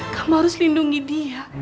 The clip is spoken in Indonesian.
kamu harus lindungi dia